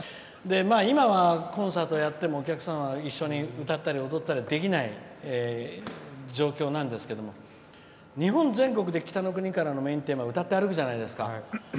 今は、コンサートやってもお客さんは歌ったり踊ったりできない状況なんですけれども日本全国で「北の国から」のメインテーマ歌って歩くじゃないですか。